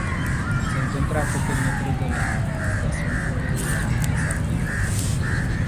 Se encuentra a pocos metros de la estación Flores de la línea Sarmiento.